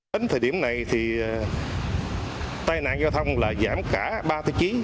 tính thời điểm này thì tai nạn giao thông là giảm cả ba thứ trí